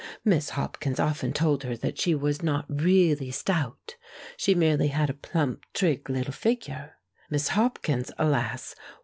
Miss Hopkins often told her that she was not really stout; she merely had a plump, trig little figure. Miss Hopkins, alas!